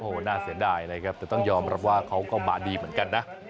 โอ้โหน่าเสียดายนะครับแต่ต้องยอมรับว่าเขาก็มาดีเหมือนกันนะ